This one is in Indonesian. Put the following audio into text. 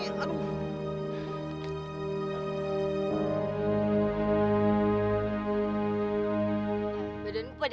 kadang kadang aku ketawa kau pala ke tempat ini